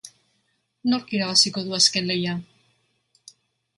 Nork irabaziko du azken lehia?